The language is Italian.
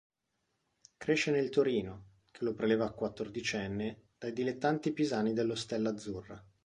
Cresce nel Torino, che lo preleva quattordicenne dai dilettanti pisani dello Stella Azzurra.